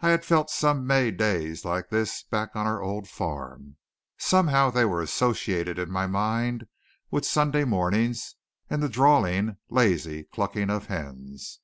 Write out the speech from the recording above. I had felt some May days like this back on our old farm. Somehow they were associated in my mind with Sunday morning and the drawling, lazy clucking of hens.